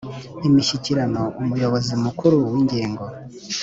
Imishyikirano umuyobozi mukuru w ingengo